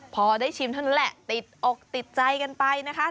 พอได้ชิมเท่านั้นแหละติดอกติดใจกันไปนะคะ